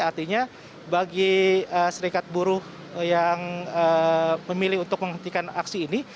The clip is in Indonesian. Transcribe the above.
artinya bagi serikat buruh yang memilih untuk menghentikan aksi ini